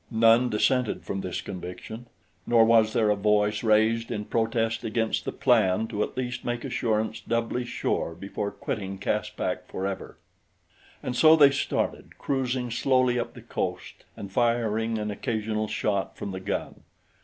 None dissented from this conviction, nor was there a voice raised in protest against the plan to at least make assurance doubly sure before quitting Caspak forever. And so they started, cruising slowly up the coast and firing an occasional shot from the gun.